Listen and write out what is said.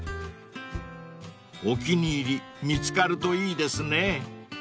［お気に入り見つかるといいですね］